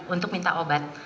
untuk minta obat